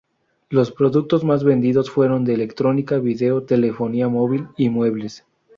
Los productos más vendidos fueron de electrónica, vídeo, telefonía móvil y muebles.